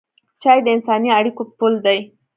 چای د انساني اړیکو پل دی.